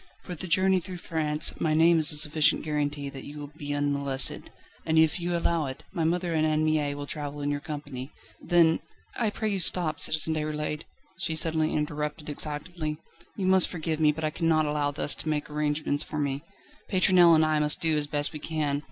For the journey through France, my name is a sufficient guarantee that you will be unmolested; and if you will allow it, my mother and Anne Mie will travel in your company. Then ..." "I pray you stop, Citizen Déroulède," she suddenly interrupted excitedly. "You must forgive me, but I cannot allow thus to make any arrangements for me. Pétronelle and I must do as best we can.